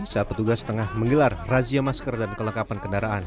saat petugas tengah menggelar razia masker dan kelengkapan kendaraan